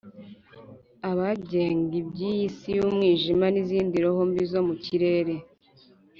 Abagenga b'iyi si y'umwijima, n'izindi roho mbi zo mukirere.